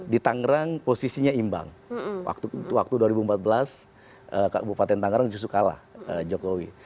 di tangerang posisinya imbang waktu dua ribu empat belas kabupaten tangerang justru kalah jokowi